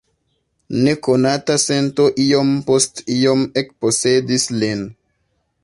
Nekonata sento iom post iom ekposedis lin.